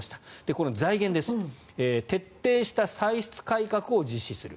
この財源です。徹底した歳出改革を実施する。